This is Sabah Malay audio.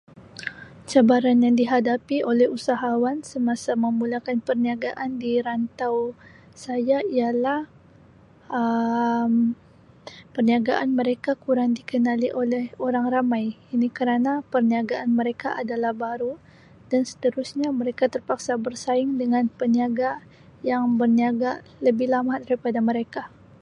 Cabaran yang dihadapi oleh usahawan semasa memulakan perniagaan di rantau saya ialah Um perniagaan mereka kurang dikenali oleh orang ramai ini kerana perniagaan mereka adalah baru dan seterusnya mereka terpaksa bersaing dengan peniaga yang berniaga lebih lama daripada mereka.